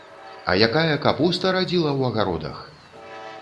А якая капуста радзіла ў агародах!